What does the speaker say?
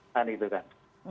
kan itu kan